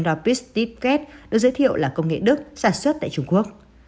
robust ticket được giới thiệu là công nghệ đức sản xuất tại trung quốc